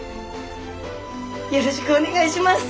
よろしくお願いします！